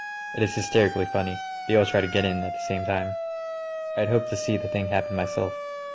It is hysterically funny; they all try to get in at the same time." I had hoped to see the thing happen myself.